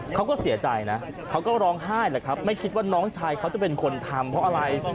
เขาก็เสียใจนะเขาก็ร้องไห้แหละครับไม่คิดว่าน้องชายเขาจะเป็นคนทำเพราะอะไร